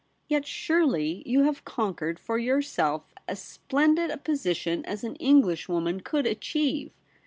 ' Yet surely you have conquered for your self as splendid a position as an Englishwoman could achieve.